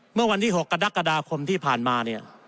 เมื่อวันที่๖กระดักกระดาภคมที่ผ่านมา